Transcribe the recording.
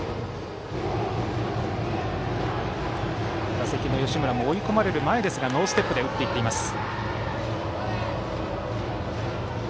打席の吉村も追い込まれる前ですがノーステップで打っていきます。